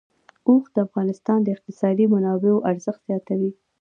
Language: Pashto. اوښ د افغانستان د اقتصادي منابعو ارزښت زیاتوي.